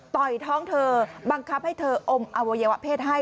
ต่อยท้องเธอบังคับให้เธออมอวัยวะเพศให้